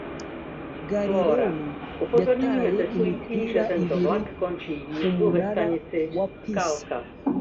galileo yataye imipira ibiri ku munara wa pisa.